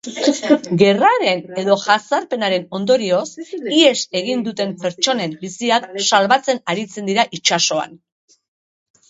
Gerraren edo jazarpenaren ondorioz ihes egiten duten pertsonen biziak salbatzen aritzen dira itsasoan.